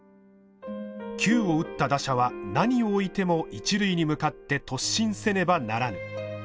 「球を打った打者は何をおいても一塁に向かって突進せねばならぬ」。